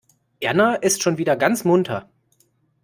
Erna ist schon wieder ganz munter.